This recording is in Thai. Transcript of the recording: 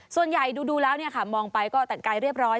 ส่วนใหญ่ดูแล้วมองไปก็แต่งกายเรียบร้อย